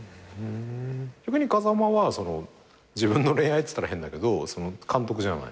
逆に風間は自分の恋愛っつったら変だけど監督じゃない。